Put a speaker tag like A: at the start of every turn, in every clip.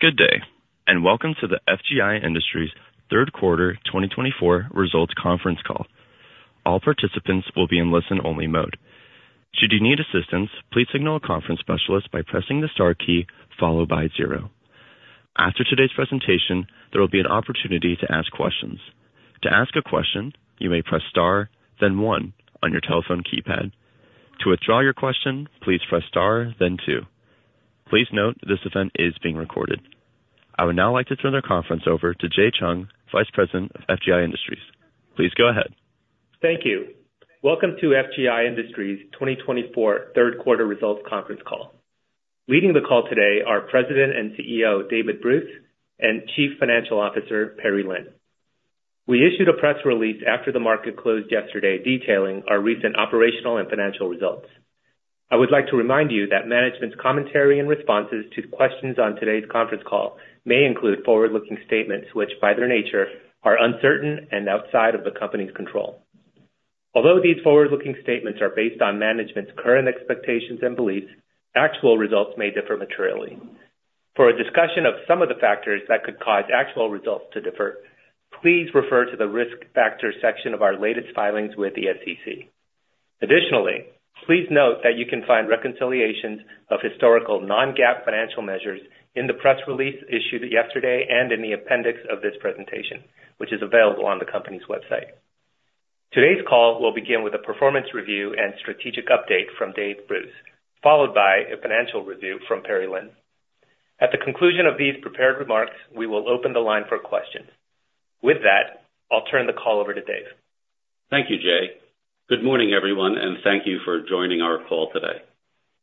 A: Good day, and welcome to the FGI Industries' Third Quarter 2024 Results Conference Call. All participants will be in listen-only mode. Should you need assistance, please signal a conference specialist by pressing the star key followed by zero. After today's presentation, there will be an opportunity to ask questions. To ask a question, you may press star, then one, on your telephone keypad. To withdraw your question, please press star, then two. Please note this event is being recorded. I would now like to turn the conference over to Jae Chung, Vice President of FGI Industries. Please go ahead.
B: Thank you. Welcome to FGI Industries' 2024 Third Quarter Results Conference Call. Leading the call today are President and CEO David Bruce and Chief Financial Officer Perry Lin. We issued a press release after the market closed yesterday detailing our recent operational and financial results. I would like to remind you that management's commentary and responses to questions on today's conference call may include forward-looking statements which, by their nature, are uncertain and outside of the company's control. Although these forward-looking statements are based on management's current expectations and beliefs, actual results may differ materially. For a discussion of some of the factors that could cause actual results to differ, please refer to the risk factor section of our latest filings with the SEC. Additionally, please note that you can find reconciliations of historical non-GAAP financial measures in the press release issued yesterday and in the appendix of this presentation, which is available on the company's website. Today's call will begin with a performance review and strategic update from Dave Bruce, followed by a financial review from Perry Lin. At the conclusion of these prepared remarks, we will open the line for questions. With that, I'll turn the call over to Dave.
C: Thank you, Jae. Good morning, everyone, and thank you for joining our call today.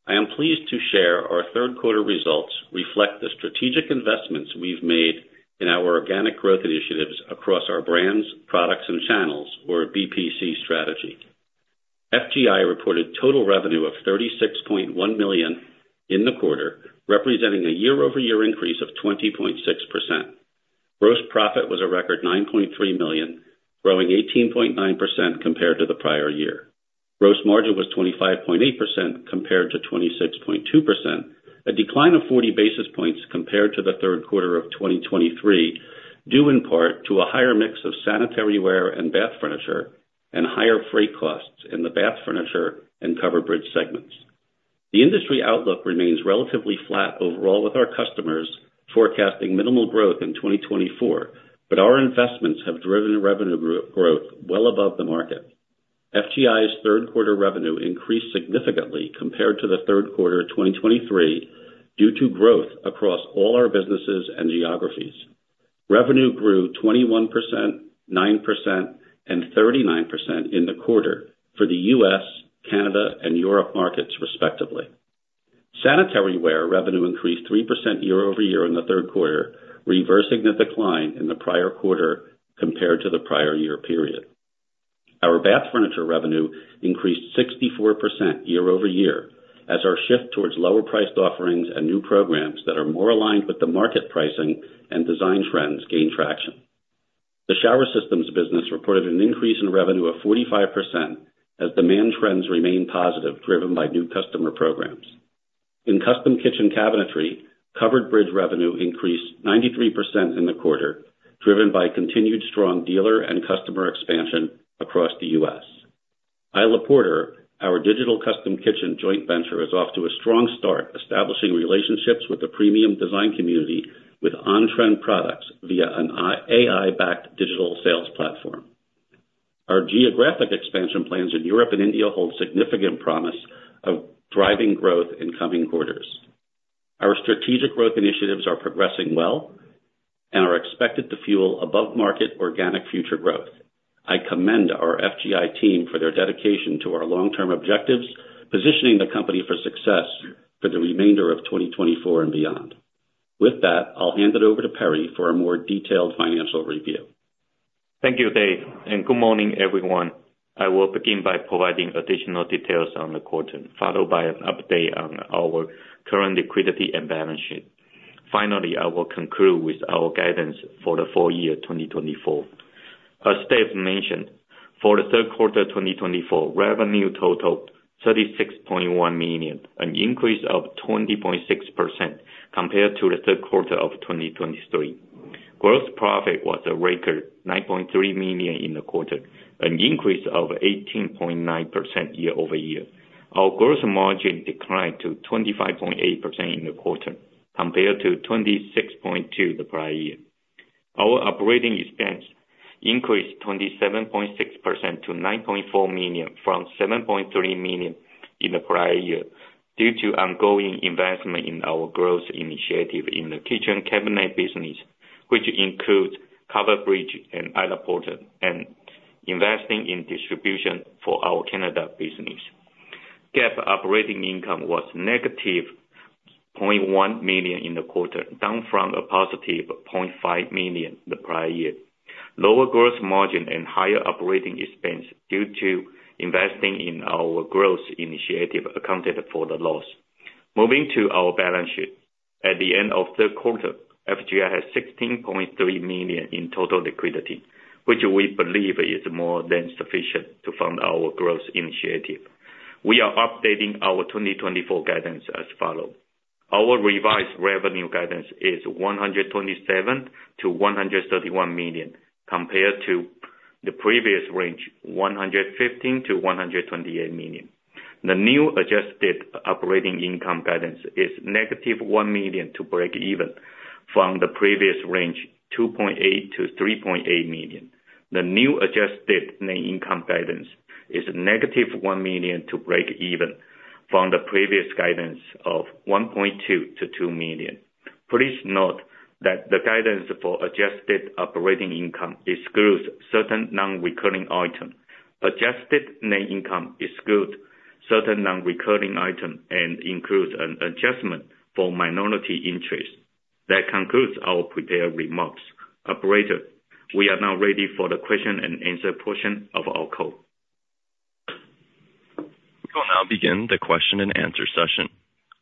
C: I am pleased to share our third quarter results reflect the strategic investments we've made in our organic growth initiatives across our brands, products, and channels, or BPC strategy. FGI reported total revenue of $36.1 million in the quarter, representing a year-over-year increase of 20.6%. Gross profit was a record $9.3 million, growing 18.9% compared to the prior year. Gross margin was 25.8% compared to 26.2%, a decline of 40 basis points compared to the third quarter of 2023, due in part to a higher mix of sanitaryware and bath furniture and higher freight costs in the bath furniture and Covered Bridge segments. The industry outlook remains relatively flat overall with our customers forecasting minimal growth in 2024, but our investments have driven revenue growth well above the market. FGI's third quarter revenue increased significantly compared to the third quarter of 2023 due to growth across all our businesses and geographies. Revenue grew 21%, 9%, and 39% in the quarter for the US, Canada, and Europe markets, respectively. Sanitaryware revenue increased 3% year-over-year in the third quarter, reversing the decline in the prior quarter compared to the prior year period. Our bath furniture revenue increased 64% year-over-year as our shift towards lower-priced offerings and new programs that are more aligned with the market pricing and design trends gained traction. The shower systems business reported an increase in revenue of 45% as demand trends remain positive, driven by new customer programs. In custom kitchen cabinetry, Covered Bridge revenue increased 93% in the quarter, driven by continued strong dealer and customer expansion across the US. Isla Porter, our digital custom kitchen joint venture, is off to a strong start, establishing relationships with the premium design community with on-trend products via an AI-backed digital sales platform. Our geographic expansion plans in Europe and India hold significant promise of driving growth in coming quarters. Our strategic growth initiatives are progressing well and are expected to fuel above-market organic future growth. I commend our FGI team for their dedication to our long-term objectives, positioning the company for success for the remainder of 2024 and beyond. With that, I'll hand it over to Perry for a more detailed financial review.
D: Thank you, Dave, and good morning, everyone. I will begin by providing additional details on the quarter, followed by an update on our current liquidity and balance sheet. Finally, I will conclude with our guidance for the full year 2024. As Dave mentioned, for the third quarter 2024, revenue totaled $36.1 million, an increase of 20.6% compared to the third quarter of 2023. Gross profit was a record $9.3 million in the quarter, an increase of 18.9% year-over-year. Our gross margin declined to 25.8% in the quarter compared to 26.2% the prior year. Our operating expense increased 27.6% to $9.4 million from $7.3 million in the prior year due to ongoing investment in our growth initiative in the kitchen cabinet business, which includes Covered Bridge and Isla Porter, and investing in distribution for our Canada business. GAAP operating income was negative $0.1 million in the quarter, down from a positive $0.5 million the prior year. Lower gross margin and higher operating expense due to investing in our growth initiative accounted for the loss. Moving to our balance sheet, at the end of the third quarter, FGI has $16.3 million in total liquidity, which we believe is more than sufficient to fund our growth initiative. We are updating our 2024 guidance as follows. Our revised revenue guidance is $127-$131 million compared to the previous range, $115-$128 million. The new adjusted operating income guidance is negative $1 million to break even from the previous range, $2.8-$3.8 million. The new adjusted net income guidance is negative $1 million to break even from the previous guidance of $1.2-$2 million. Please note that the guidance for adjusted operating income excludes certain non-recurring items. Adjusted net income excludes certain non-recurring items and includes an adjustment for minority interests. That concludes our prepared remarks. Operator, we are now ready for the question and answer portion of our call.
A: We will now begin the question and answer session.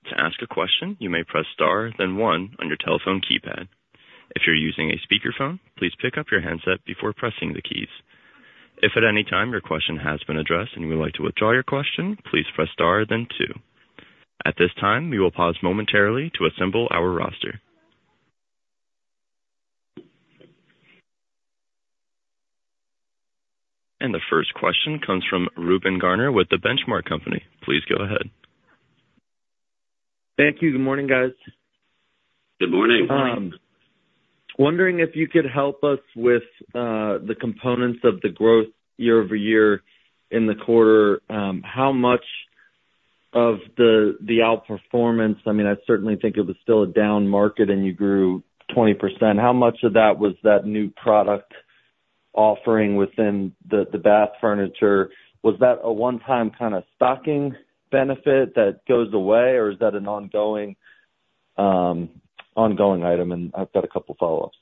A: To ask a question, you may press star, then one, on your telephone keypad. If you're using a speakerphone, please pick up your handset before pressing the keys. If at any time your question has been addressed and you would like to withdraw your question, please press star, then two. At this time, we will pause momentarily to assemble our roster, and the first question comes from Reuben Garner with The Benchmark Company. Please go ahead.
E: Thank you. Good morning, guys.
C: Good morning.
E: Wondering if you could help us with the components of the growth year-over-year in the quarter. How much of the outperformance, I mean, I certainly think it was still a down market and you grew 20%, how much of that was that new product offering within the bath furniture? Was that a one-time kind of stocking benefit that goes away, or is that an ongoing item? And I've got a couple of follow-ups.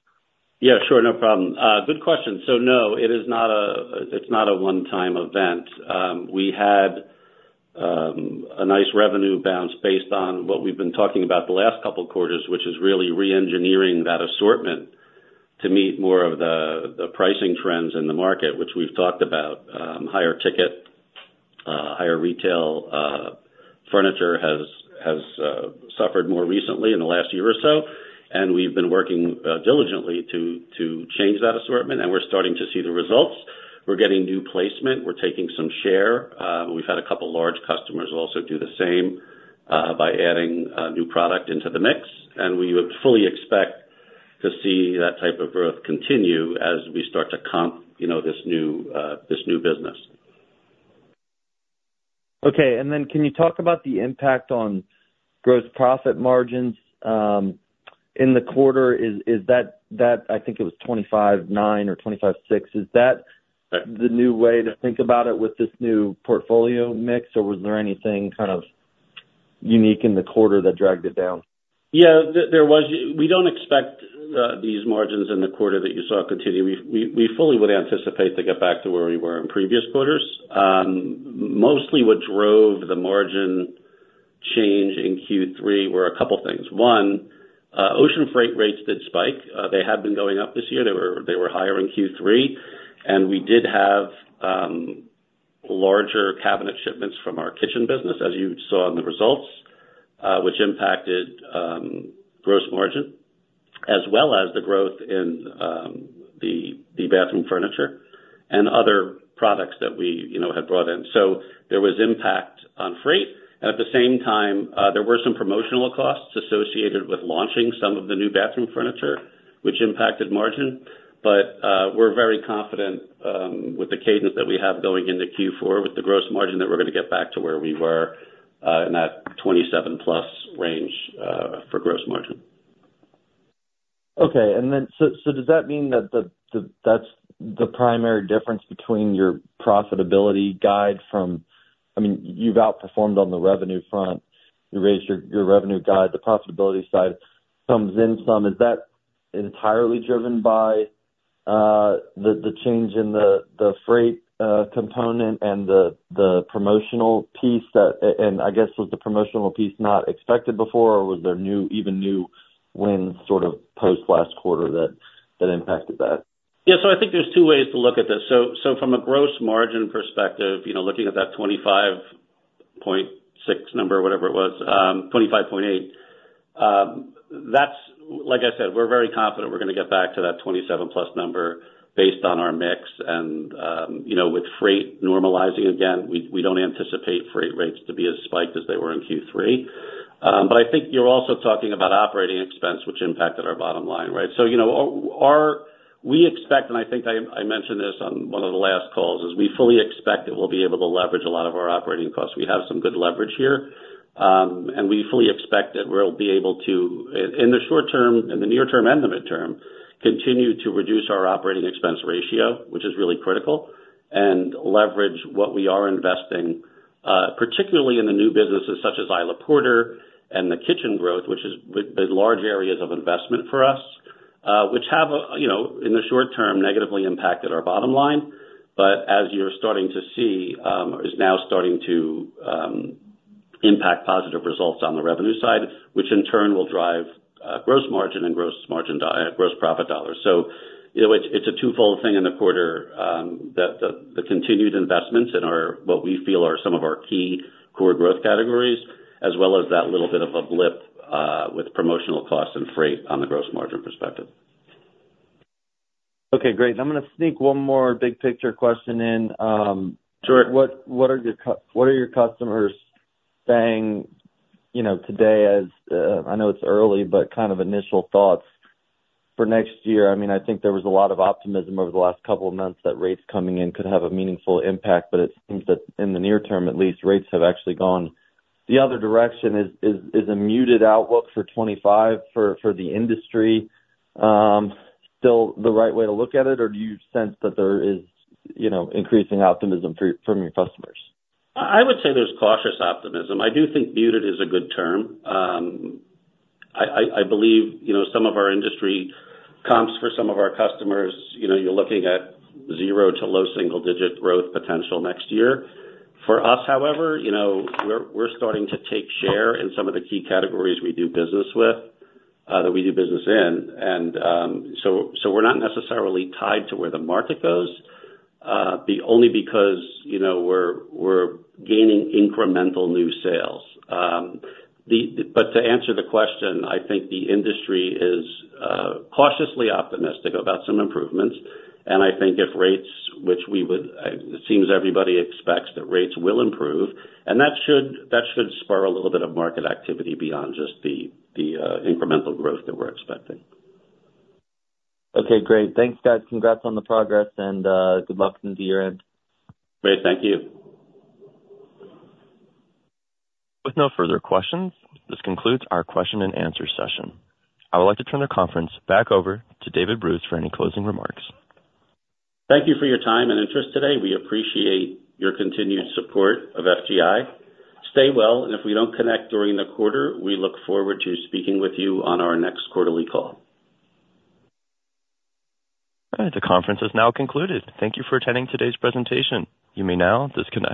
C: Yeah, sure. No problem. Good question. So no, it's not a one-time event. We had a nice revenue bounce based on what we've been talking about the last couple of quarters, which is really re-engineering that assortment to meet more of the pricing trends in the market, which we've talked about. Higher ticket, higher retail furniture has suffered more recently in the last year or so, and we've been working diligently to change that assortment, and we're starting to see the results. We're getting new placement. We're taking some share. We've had a couple of large customers also do the same by adding new product into the mix, and we would fully expect to see that type of growth continue as we start to comp this new business.
E: Okay. And then can you talk about the impact on gross profit margins in the quarter? Is that, I think it was 25.9 or 25.6. Is that the new way to think about it with this new portfolio mix, or was there anything kind of unique in the quarter that dragged it down?
C: Yeah, there was. We don't expect these margins in the quarter that you saw continue. We fully would anticipate to get back to where we were in previous quarters. Mostly, what drove the margin change in Q3 were a couple of things. One, ocean freight rates did spike. They had been going up this year. They were higher in Q3, and we did have larger cabinet shipments from our kitchen business, as you saw in the results, which impacted gross margin, as well as the growth in the bathroom furniture and other products that we had brought in. So there was impact on freight, and at the same time, there were some promotional costs associated with launching some of the new bathroom furniture, which impacted margin. We're very confident with the cadence that we have going into Q4 with the gross margin that we're going to get back to where we were in that 27% plus range for gross margin.
E: Okay, and then so does that mean that that's the primary difference between your profitability guide from, I mean, you've outperformed on the revenue front. You raised your revenue guide. The profitability side comes in some. Is that entirely driven by the change in the freight component and the promotional piece? And I guess, was the promotional piece not expected before, or was there even new wins sort of post-last quarter that impacted that?
C: Yeah. So I think there's two ways to look at this. So from a gross margin perspective, looking at that 25.6 number, whatever it was, 25.8, like I said, we're very confident we're going to get back to that 27-plus number based on our mix. And with freight normalizing again, we don't anticipate freight rates to be as spiked as they were in Q3. But I think you're also talking about operating expense, which impacted our bottom line, right? So we expect, and I think I mentioned this on one of the last calls, is we fully expect that we'll be able to leverage a lot of our operating costs. We have some good leverage here, and we fully expect that we'll be able to, in the short term, in the near term, and the midterm, continue to reduce our operating expense ratio, which is really critical, and leverage what we are investing, particularly in the new businesses such as Isla Porter and the kitchen growth, which has been large areas of investment for us, which have, in the short term, negatively impacted our bottom line, but as you're starting to see, it's now starting to impact positive results on the revenue side, which in turn will drive gross margin and gross profit dollars, so it's a twofold thing in the quarter: the continued investments in what we feel are some of our key core growth categories, as well as that little bit of a blip with promotional costs and freight on the gross margin perspective.
E: Okay. Great. I'm going to sneak one more big picture question in.
C: Sure.
E: What are your customers saying today? I know it's early, but kind of initial thoughts for next year? I mean, I think there was a lot of optimism over the last couple of months that rates coming in could have a meaningful impact, but it seems that in the near term, at least, rates have actually gone the other direction. Is a muted outlook for '25 for the industry still the right way to look at it, or do you sense that there is increasing optimism from your customers?
C: I would say there's cautious optimism. I do think muted is a good term. I believe some of our industry comps for some of our customers, you're looking at zero to low single-digit growth potential next year. For us, however, we're starting to take share in some of the key categories we do business with, that we do business in. And so we're not necessarily tied to where the market goes, only because we're gaining incremental new sales. But to answer the question, I think the industry is cautiously optimistic about some improvements. And I think if rates, which it seems everybody expects that rates will improve, and that should spur a little bit of market activity beyond just the incremental growth that we're expecting.
E: Okay. Great. Thanks, guys. Congrats on the progress, and good luck into year-end.
C: Great. Thank you.
A: With no further questions, this concludes our question and answer session. I would like to turn the conference back over to David Bruce for any closing remarks.
C: Thank you for your time and interest today. We appreciate your continued support of FGI. Stay well, and if we don't connect during the quarter, we look forward to speaking with you on our next quarterly call.
A: The conference has now concluded. Thank you for attending today's presentation. You may now disconnect.